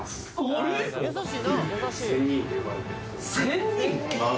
仙人？